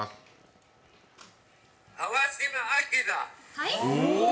はい？